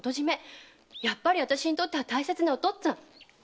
やっぱりあたしにとっては大切なお父っつぁん。